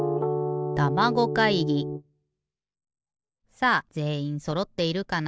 さあぜんいんそろっているかな？